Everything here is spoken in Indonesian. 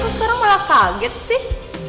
sekarang malah kaget sih